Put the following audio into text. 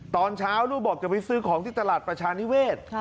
ตอนเช้าลูกบอกจะไปซื้อของที่ตลาดประชานิเวศ